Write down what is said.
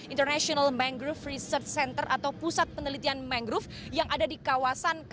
international mangrove research center atau pusat penelitian mangrove yang ada di kawasan